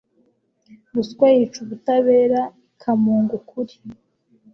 Ruswa yica ubutabera ikamunga ukuri,